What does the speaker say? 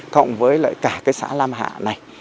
thọng với lại cả cái xã lam hạ này